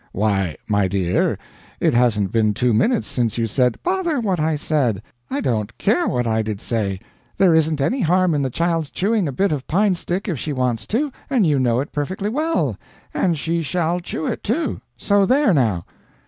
"Why, my dear, it hasn't been two minutes since you said " "Bother what I said! I don't care what I did say. There isn't any harm in the child's chewing a bit of pine stick if she wants to, and you know it perfectly well. And she shall chew it, too. So there, now!"